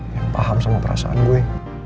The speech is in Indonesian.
yang paham sama perasaan gue